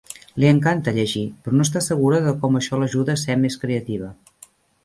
Li encanta llegir, però no està segura de com això l'ajuda a ser més creativa.